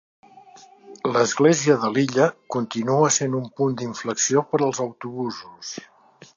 L'església de l'illa continua sent un punt d'inflexió per als autobusos.